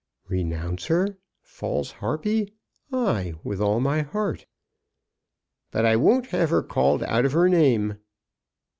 "Renounce her, false harpy! Ay, with all my heart." "But I won't have her called out of her name."